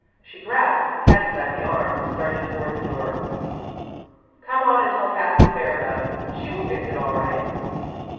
She grasped Patty by the arm and started toward the door. "Come on and tell Cathy Fair about it. She will fix it all right."